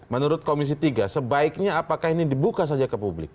menurut komisi tiga sebaiknya apakah ini dibuka saja ke publik